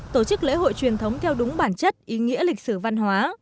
tổ chức lễ hội truyền thống theo đúng bản chất ý nghĩa lịch sử văn hóa